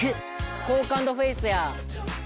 「好感度フェイスや！」